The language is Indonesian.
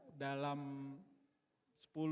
jadi ini adalah sepuluh tahun yang bisa mendorong